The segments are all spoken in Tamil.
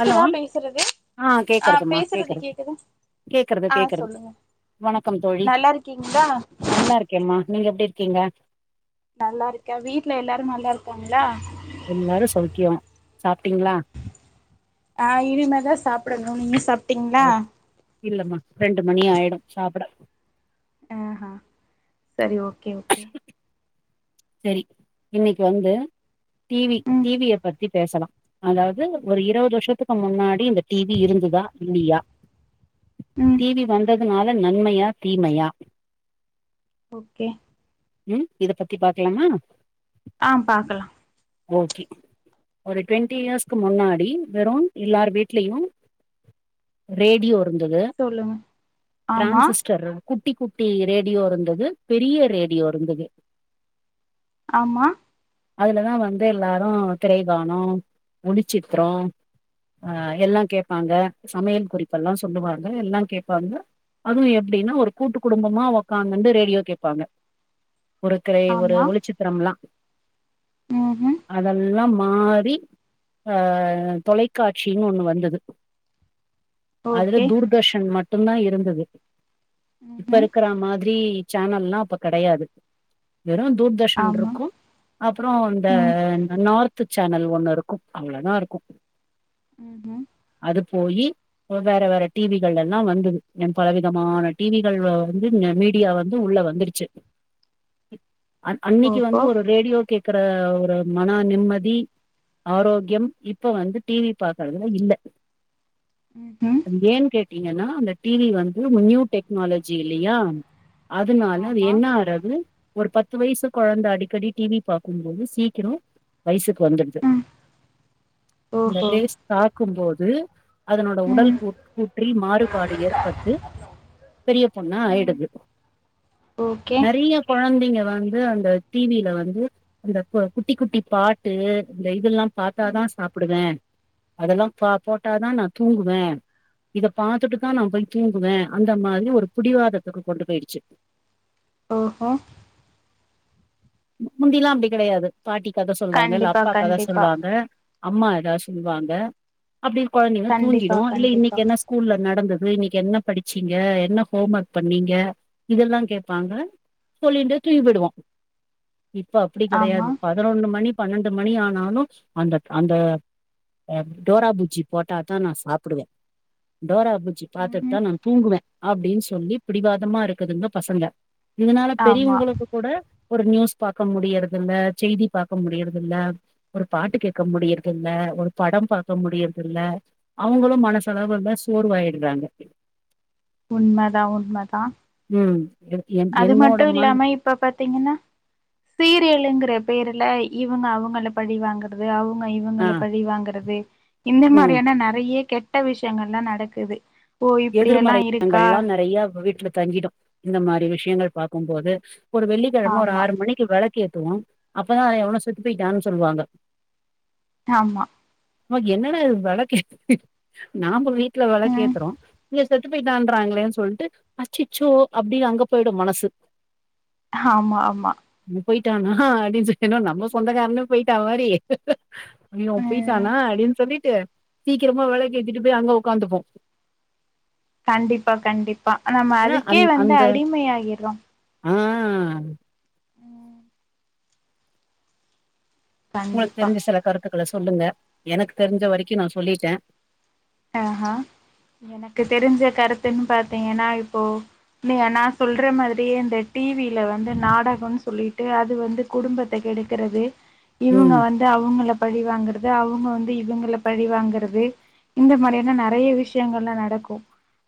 ஹலோ பேசுறது ஆ கேக்குறதுமா பேசுறது கேக்குறது கேக்குதா கேக்குறது ஆ கேக்குறது சொல்லுங்க வணக்கம் தோழி நல்லாருக்கிங்ளா நல்லாருக்கேம்மா நீங்க எப்டி இர்க்கீங்க நல்லாருக்கே வீட்ல எல்லாரு நல்லார்க்காங்ளா எல்லாரு சௌக்கியொ சாப்ட்டீங்ளா ஆ இனிமேதா சாப்டடுணு நீங்க சாப் ஓகே இல்லமா ரெண்டு மணி ஆய்டு சாப்ட ஆ ஹ சரி ஓகே ஓகே சரி இன்னிக்கு வந்து டி வி ம் டி விய பத்திப் பேசலா அதாவ்து ஒரு இரவது வர்ஷத்துக்கு முன்னாடி இந்த டி வி இருந்துதா இல்லியா ம் டி வி வந்ததனால நன்மையா தீமையா ஓகே ம் இத பத்தி பாக்லாமா ஆ பாக்கலா ஓகே ஒரு ட்வெண்ட்டி இயர்ஸ்க்கு முன்னாடி வெறு எல்லார் வீட்லயு ரேடியோ இருந்தது சொல்லுங்க ஆமா டிரான்சிஸ்டரு குட்டி குட்டி ரேடியோ இருந்தது பெரிய ரேடியோ இருந்தது ஆம்மா அதுலதா வந்து எல்லாரு திரைவானொ ஒளிச்சித்ரொ அ எல்லா கேப்பாங்க சமையல் குறிப்பெல்லா சொல்லுவாங்க எல்லா கேப்பாங்க அதுவு எப்டின்னா ஒரு கூட்டு குடும்பமா ஒக்காந்துண்டு ரேடியோ கேப்பாங்க ஒரு க்ரை ஒரு ஒளிச்சித்திரம்ல்லா உ ஹ அதெல்லா மாறி ஆ தொலைக்காட்சின் ஒண்ணு வந்தது அதுல ஓகே தூர்தர்ஷன் மட்டுந்தா இருந்தது இப்ப இருக் ம்ஹும் இருக்கர மாதிரி சேனல்லா அப்ப கெடையாது வெறு தூர்தர்ஷன் ஆமா ருக்கு அப்றொ இந்த ம் நார்த்துச் சேனல் ஒண்ணு ருக்கு அவ்ளதாருக்கு ம் ம் போயி வேற வேற டி விகள் எல்லா வந்தது என் பல விதமான டி விகள் வந்து நமீட் டியா வந்து உள்ள வந்துடுச்சு அன் அன்னிக்கு ஓஹோ வந்து ஒரு ரேடியோ கேக்கற ஒரு மன நிம்மதி ஆரோக்கியம் இப்ப வந்து டி வி பாக்கறதுல இல்ல ஹு ஹும் ஏன் கேட்டீங்கன்னா அந்த டி வி வந்து நியூ டெக்னாலஜி இல்லயா அதுனால அது ஆமா என்ன ஆறது ஒரு பத்து வய்சு கொழந்த அடிக்கடி டி வி பாக்கும்போது சீக் கிறொ வயசுக்கு வந்துடுது ம் அந்த ஓஹோ ரேஸ் தாக்கும்போது அதனொட உடல் ம் கூட் கூற்றில் மாறுபாடு ஏற்பட்டு பெரிய பொண்ணா ம் ஆய்டுது ஓகே கொழந்தைங்க வந்து அந்த டி வில வந்து அந்த குட்டி குட்டி பாட்டு இந்த இதெல்லா ம் பாத்தாதா சாப்பிடுவே அதெல்லா பா போட்டாதா நா தூங்குவே இத பாத்துட்டுதா நா போயி தூங்குவே அந்த மாதிரி ஒரு புடிவாதத்துக்கு கொண்டு போய்டுச்சு ஓஹோ முந்தில்லா அப்டி கெடையாது பாட்டி கத சொல்வாங்க இல்ல கண்டிப்பா அப்பா கத கண்டிப்பா சொல்வாங்க அம்மா ஏதாது சொல்வாங்க அப்படியே கொழந்தைங்க கண்டிப்பா தூங்கிடு இல்ல கண்டிப்பா இன்னக்கி என்ன ஸ்கூல்ல நடந்தது இன்னக்கி என்ன படிச்சீங்க என்ன ஹோம் ஒர்க் பண்ணீங்க இதெல்லா கேப்பாங்க சொல்லின்டே ம் தூங்கிபோயிடுவோ இப்ப அப்டி ஆமா கெடையாது பதினொன்னு மணி பன்னெண்டு மணி ஆனாலு அந்த அந்த ஆ டோரா புஜ்ஜி போட்டாதா நா சாப்டுவே டோரா புஜ் ஜி பாத்துட்டுதா ம்ஹும் நா தூங்குவே அப்டின்னு சொல்லி பிடிவாதமா இருக்குதுங்க பசங்க இதனால ஆமா பெரியவங்களுக்கு கூட ஒரு நியூஸ் பாக்க முடியறது இல்ல செய்தி பாக்க முடியறது இல்ல ஒரு பாட்டு கேக்க முடியறதில்ல ஒரு படம் பாக்க முடியறதில்ல அவங்களு மனசளவுல சோர்வாயிட்றாங்க உண்மதா உண்மதா ம் ஏ அது மட்டு இல்லாம இப் இப்ப பாத்தீங்கன்னா சீரியலுங்குற பேருல இவங்க அவங்கள பழி வாங்கறது அவங்க ஆ இவங்கள பழி வாங்கறது இந்த ம் மாறியான நெறைய கெட் ட விஷயங்கள்லா நடக்குது ஓ இப்டியெல்லா எதிர்மறை இருக்கா எண்ணங்கள்லா நெறைய வீட்ல தங்கிடு இந்த மாறி விஷயங்கள் பாக்கும்போது ஒரு வெள்ளிக்கெழம ஒரு ஆமா ஆறு மணி க்கி விளக்கேத்துவோ அப்பதா எவனோ செத்து போயிட்டான்னு சொல்லுவாங்க ஆமா ம்மா என்னடா இது விளக்கேத் நாம்ப வீட்ல ம் விளக்கேத்றோ இங்க செத்து போயிட்டான்றாங்களேன்னு சொல்ட்டு அச்சச்சோ அப்டின்னு அங்க போய்டு மனசு ஆமா ஆமா இவே போயிட்டானா அப்டின்னு சொல்லி என்னவோ நம்ம சொந்தக்காரனே போயிட்டா மாறி ஐய்யோ அவே ம் போயிட்டானா அப்டின்னு சொல்லிட்டு சீக்கிரமா விளக்கு ஏத்திட்டு போயி அங்க ஒக்காந்துப்போ கண்டிப்பா கண்டிப்பா நம்ம ஏன்னா அதுக்கே அந் வந்து அந்த அடிமை ஆயிர்றோ ஆ ம் உங்களுக்கு கண்டிப்பா தெரிஞ்ச சில கருத்துக்கள சொல்லுங்க எனக்கு தெரிஞ்ச வரைக்கு நா சொல்லிட்டே அஹா எனக்கு தெரிஞ்ச கருத்துன்னு பாத்தீங்கன்னா இப்போ நீங்க நா சொல்ற மாதிரியே இந்த டி வி ல வந்து நாடகம்ன்னு சொல்லிட்டு அது வந்து குடும்பத்த கெடுக்கறது ம் இவங்க வந்து அவங்கள பழிவாங்கறது அவங்க வந்து இவங்கள பழிவாங்கறது இந்த மாறியான நெறைய விஷயங்கள்லா நடக்கு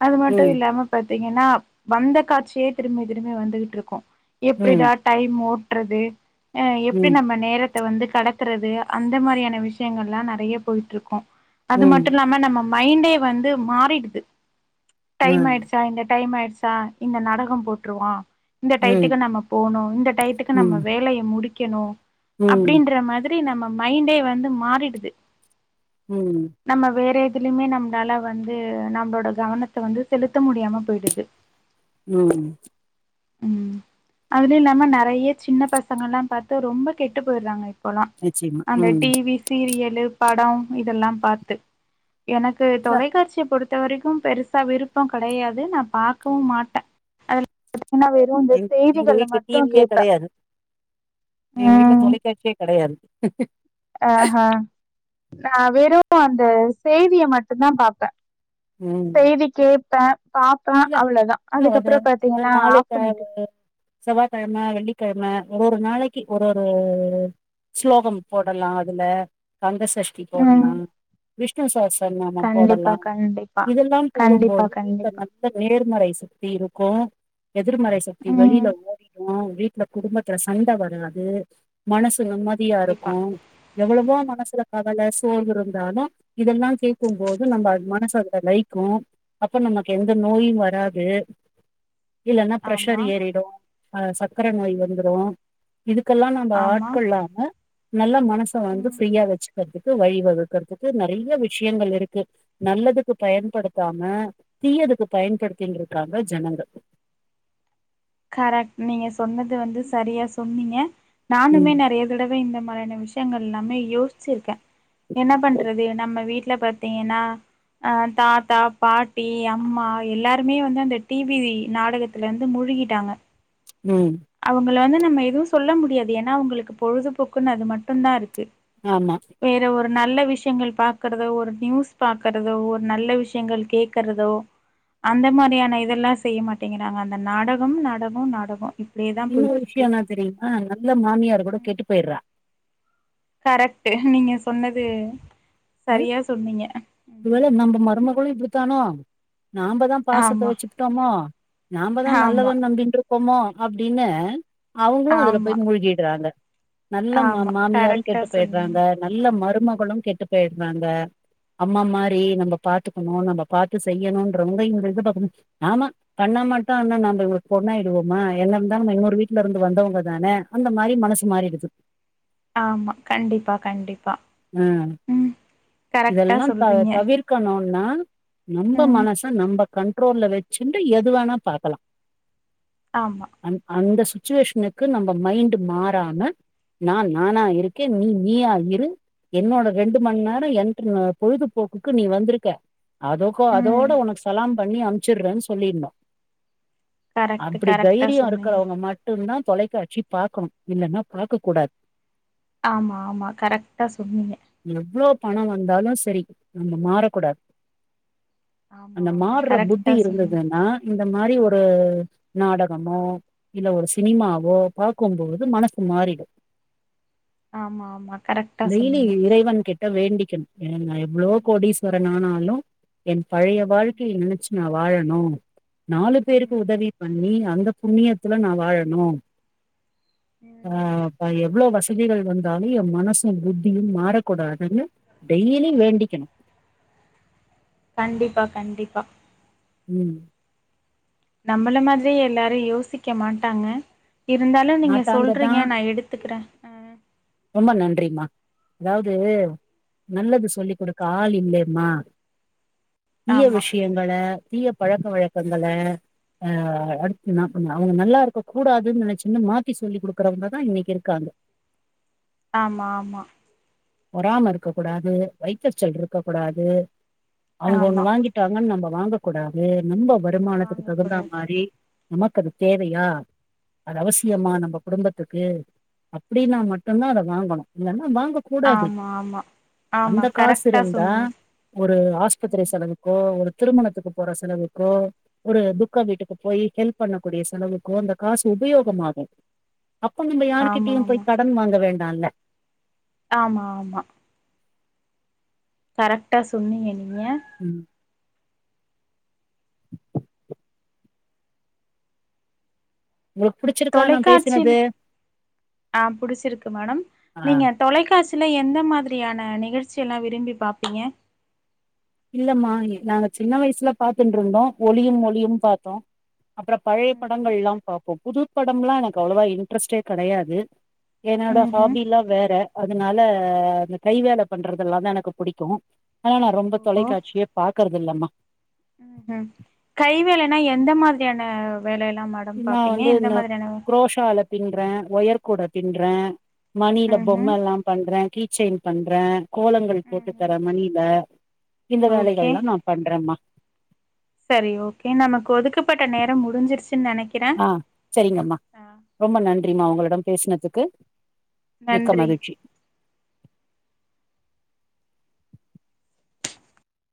அது மட்டு ம் இல்லாம பாத்தீங்கன்னா வந்த காட்சியே திரும்பி திரும்பி வந்துகிட்டு இருக்கு ம் எப்டிடா டைம் ஓட்றது ஆ எப்டி ம் நம்ம நேர த்த வந்து கடக்கறது அந்த மாறியான விஷயங்கள்லா நெறைய போயிட்டு இருக்கு அது ம் மட் ஆமா நம்ம மைண்டே வந்து மாறிடுது டைம் ஆயிடுச்சு ஆ இந்த டைம் ஆயிடுச்சா இந்த நாடகோ போட்ருவா இந்த டையத்துக்கு ம் நம்ம போணு இந்த டையத்துக்கு நம்ம ம் வேலய முடிக்கணு ம் அப்டின்ற மாதிரி மாதி நம்ம மைண்டே வந்து மாறிடுது ம் நம்ம வேற எதுலயுமே நம்மளால வந்து நம்மளோட கவனத்த வந்து செலுத்த முடியாம போயிடுது ம் ம் அதுல இல்லாம நெறைய சின்ன பசங்கல்லா பாத்து ரொம்ப கெட்டு போயிட்றாங்க போலா நிச்சயமா அந்த ம் டிவி சீரியலு படம் இதெல்லா பார்த்து எனக்கு இல்ல தொலைக்காட்சிய பொறு த்தவரைக்கு பெருசாக விருப்பம் கடையாது நா பார்க்கவு மாட்ட எப்டின்னா வெறு இந்த எங் எங்க செய்திகள வீட்ல மட்டு டிவியே கேட்ப கெடையாது எங்க வீட்ல தொலைக்காட்சியே கடையாது ஆஹா நா வெறு அந்த செய்திய மட்டு்தா பாப்ப ம் செய்தி கேட்ப பாப்ப அவ்ளதா அதுக்கப்பற பாத்தீங்கனா நாளைக்க செவ்வாய்கிழம வெள்ளிக்கிழம ஒவ்வொரு நாளைக்கி ஒரு ஒரு ஸ்லோகம் போடலாம் அதுல கங்க சஷ்டி ம் போடலாம் விஷ்ணு சாச நாமம் கண்டிப்பா போடலாம் கண்டிப்பா இதெல்லாம் கண்டிப்பா போடும்போது வீட்ல கண்டிப்பா நேர்மறை சக்தி இருக்கு எதிர்மறை சக்தி வெளில ம் ஓடி ஆ வீட்ல குடும்பத்துல சண்ட வராது மனசு நிம்மதியா கண்டிப்பா இருக்கு எவ்வளவோ மனசுல கவல சோர்வு இருந்தாலு இதெல்லா கேக்கும் போது நம்ம அ மனசு அதுல வைக்கும் அப்ப நம்ம எந்த நோயும் வராது இல்லன்னா பிரஷர் ஆமா ஏறிடு ஆ சக்கர நோய் வந்துடு ம்ஹ்ம். இதுக்கெல்லா நம்ம ஆமா ஆட்கொள்ளாம நல்லா மனச வந்து ம் ஃப்ரீயா வச்சுக்கறதுக்கு வழி வகுக்கறதுக்கு நறைய விஷயங்கள் இருக்கு நல்லதுக்கு பயன்படுத்தாம தீயதுக்கு பயன்படுத்தின்ட் இருக்காங்க ஜனங்க கரெக்ட் நீங்க சொன்னது வந்து சரியா சொன்னீங்க ம் நானுமே நறைய பல தடவ இந்த மாரியான விஷயங்கள் எல்லாமே யோசிச்சிருக்க என்ன பண்றது நம்ம வீட்ல ப த்தீங்னா அ தாத்தா பாட்டி அம்மா எல்லாருமே வந்து அந்த டிவி நாடகத்துல வந்து மூழ்கி ட்டாங்க ம் அவங்கள வந்து நம்ம எதுவு சொல்ல முடியாது ஏன்னா அவங்களுக்கு பொழுதுபோக்குன்னு அது மட்டுதா இருக்கு ஆமா வேற ஒரு நல்ல விஷயங்கள் பாக்கறதோ ஒரு நியூஸ் பாக்கறதோ ஒரு நல்ல விஷயங்கள் கேக்கறதோ அந்த மாதிரியான இதெல்லா செய்ய மாட்டிங்கிறாங்க அந்த நாடகம் நாடகம் நாடகம் இன்னொரு விஷயம் என்ன தெரியுமா நல்ல மாமியார் கூட கெட்டு போயிடுறா கரெக்டு நீங்க சொன்னது ம் சரியா சொன்னீங்க ம் ஒருவேள நம்ம மருமகளு இப்படித்தானோ நாமதா பாசத்த ஆமா வச்சுபுட்டோமோ நாமதா ஆமா நல்லவன் நம்பிட்டு இருக்கோமோ அப்டின்னு அவுங்களு அதுல ஆமா போய் மூழ்கிடுறாங்க நல்ல மா ஆமா மாமியாரு கரெக்டா கெட்டு சொன்னீங்க போயிடுறாங்க நல்ல மருமகளும் கெட்டு போயிட்றாங்க அம்மா மாிரி நம்ம பாத்துக்கணு நம்ம பாத்து செய்யணும்ன்றவங்க இந்த இது பாக்கும்போ ஆமா பண்ண மாட்டான்னா நம்ம இவங்களுக்கு பொண்ணா ஆயிடுவோமா என்ன இருந்தாலு நம இன்னொரு வீட்ல இருந்து வந்தவங்க தான அந்த மாரி மனசு மாறிடுது ஆமா கண்டிப்பா கண்டிப்பா ம் கரெக்டா இதெல்லா த சொல்றீங்க தவிர்க் கணுனா நம்ம ம் மனச நம்ம கண்ட்ரோல்ல வச்சுட்டு எது வேணா பார்க்கலா ஆமா அ அந்த சுச்சுவேஷனுக்கு நம்ம மைண்ட் மாறாம நா நானா இருக்கே நீ நீயா இரு என்னோட ரெண்டு மண் நேர என்ட்ருன பொழுதுபோக்குக்கு நீ வந்துருக்க அதக்கொ அதோட ம் உனக் சலாம் பண்ணி அம்ச்சுறேன் சொல்லிர்னு கரெக்ட்டு அப்டி கரெக்டா தைரியொ சொன்னீங்க இருக்கறவங்க மட்டுன்தா தொலைக்காட்சி பாக்கணு இல்லன்னா பாக்க கூடாத் ஆமா ஆமா கரக்டா சொன்னீங்க எவ்ளோ பணம் வந்தாலு சரி நம்ம மாறக்கூடாத் ஆமா அந்த ஆமா மார்ற புத்தி கரெக்டா சொன்னீங்க இருந்ததுன்னா இந்த மாரி ஒரு நாடகமோ இல்ல ஒரு சினிமாவோ பாக்கும்பொழுது மனசு மாறிடு ஆமா ஆமா கரெக்டா டெய்லி சொன்னீங்க இறைவன் கிட்ட வேண்டிக்கணு ஏன்னா எவ்ளோ ம் கோடீஸ்வரன் ஆனாலு என் பழைய ம் வாழ்க்கையை நினைச்சு நா வாழனு நாலு பேருக்கு ம் உதவி பண்ணி அந்தப் புண்ணியத்துல நா வாழணு ஆ ம் பா எவ்ளோ வர்ஷ் விதிகள் வந்தாலு என் மனசும் புத்தியு மாறக்கூடாதுன்னு டெய்லி வேண்டிக்கணு கண்டிப்பா கண்டிப்பா ம் நம்மள மாதிரியே எல்லாரு யோசிக்க மாட்டாங்க இருந்தாலு நீங்க மாட்டாங்க தான் சொல்றீங்க நா எடுத்துக்ற ரொம்ப நன்றிமா அதாவது ம் நல்லது சொல்லிக் கொடு கால் இல்லேமா தீய ஆமா விஷ்யன் வல தீய பழக்க வழக்கங்கள ஆ அடுத்து நாக்கு அவ் நல்லா இருக்க கூடாதுன் நெனச்சின்னா மாத்தி சொல்லி் குடுக்குறவங்க தா இன்னிக் இருக்காங்க ஆமா ஆமா பொறமை இருக்க கூடாது வைத்தர்ச்சல் இருக்க கூடாது அவங்க ஒண்ணு ஆமா வாங்கிட் ட்டாங்கன் நாம்ம வாங்க கூடாதே நம்ப வருமானத்துக்கு வாங்க தகுந்தா கூடாது மாரி நமக் அது தேவையா அது அவசியமா நம்ம குடும்பத்துக்கு அப்டின்னா மட் ட்டுன்தா அத வாங்கணு இல்லன்னா வாங்க கூடாது ஆமா ஆமா ஆமா அந்த காஸ் கரெக்டா இருந்தா சொன்னீங்க ஒரு ஆஸ்பத்திரி செலவுக்கோ ஒரு திருமணத்துக்கு போற செலவுக்கோ ஒரு துக்க வீட்டுக்கு போயி ஹெல்ப் பண்ணக்கூடிய செலவுக்கு அந்த காஸ் உபயோகமாகு அப்ப நம்ப ஆமா யார்கிட்டயு பொய் ஆமா கடன் வாங்க வேண்டால்ல ஆமா ஆமா கரக்டா சொன்னீங்க நீங்க ம் உனுக் புடிச்ச தொலைக்காட்சில ஆ புடிச்சிருக்கு மேடம் ஆ. நீங்க தொலைக்காட்சில எந்த மாதிரியான நிகழ்ச்சியெல்லா விரும்பி பாப்பீங்க இல்லம்மா யே நாங்க சின்ன வயசுல பாத்துண்ட்ருந்தோ ஒளியும் ஒலியும் பாத்தோ அப்ற பழைய படங்கள் எல்லாம் பாப்போ புது படம்லா எனக்கு அவ்ளவா இன்ட்ரெஸ்ட்டே கடையாது என்னடா ம்ஹும் ஹாபில்லா வேற அதனால அந்த கை வேல பண்றதெல்லா தா எனக்கு புடிக்கு ஆ நா ரொம்ப ஓஹோ தொலைக்காட்சியே பாக்குறதிலம்மா ம் கை வேலன்னா எந்த மாதிரியான வேலையல்லாம் மாட் நா வந்து இந்த க்ரோஷாலப் பின்ற ஒயர் கூட பின்றே மணில ம்ஹும் பொம்மல்லா பண்ற கீ செய்ன் பண்ற கோலங்கள் போட்டு ம்ஹும் தர மணில இந்த ஓகே வேலைகள்லா நான் பண்றம்மா செரி ஓகே நமக்கு ஒதுக்கப்பட்ட நேரோ முடிஞ்சிருச்சின் நெனைக் ஆ செரிங்கம்மா ரொம்ப ஆ நன்றிம்மா உங்களிடம் பேஸ்னதுக்கு மிக்க நன்றி மகிழ்ச்சி